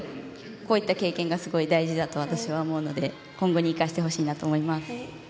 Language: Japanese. こういった経験がすごい大事だと私は思うので今後に生かしてほしいと思います。